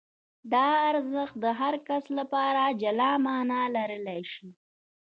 دا ارزښت د هر کس لپاره جلا مانا لرلای شي.